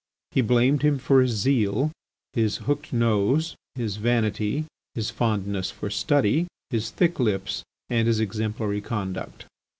He blamed him for his zeal, his hooked nose, his vanity, his fondness for study, his thick lips, and his exemplary conduct.